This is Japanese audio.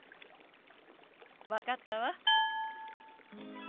分かったわ。